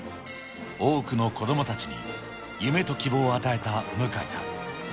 多くの子どもたちに夢と希望を与えた向井さん。